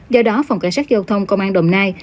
do đó phòng cảnh sát giao thông công an đồng nai